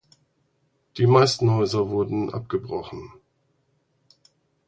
Die meisten Häuser wurden abgebrochen.